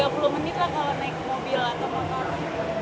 ya lumayan sekitar tiga puluh menit lah kalau naik mobil atau motor